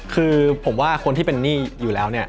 คือผมว่าคนที่เป็นหนี้อยู่แล้วเนี่ย